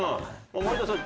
有田さん